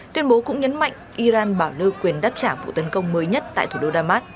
tuyên bố cũng nhấn mạnh iran bảo lưu quyền đáp trả vụ tấn công mới nhất tại thủ đô damas